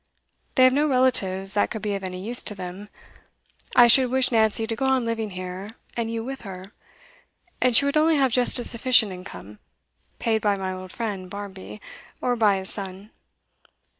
They have no relatives that could be of any use to them. I should wish Nancy to go on living here, and you with her; and she would only have just a sufficient income, paid by my old friend Barmby, or by his son.